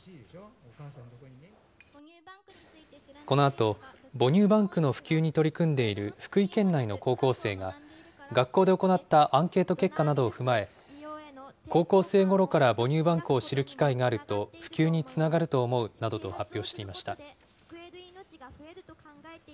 このあと、母乳バンクの普及に取り組んでいる福井県内の高校生が、学校で行ったアンケート結果などを踏まえ、高校生ごろから母乳バンクを知る機会があると、普及につながると思うなどと発表していました。